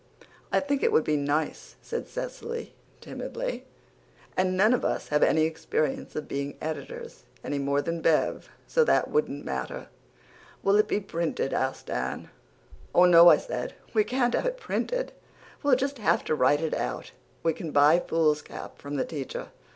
"I think it would be nice," said Cecily timidly, "and none of us have any experience of being editors, any more than Bev, so that wouldn't matter." "Will it be printed?" asked Dan. "Oh, no," I said. "We can't have it printed. We'll just have to write it out we can buy foolscap from the teacher."